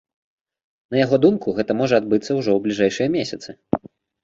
На яго думку, гэта можа адбыцца ўжо ў бліжэйшыя месяцы.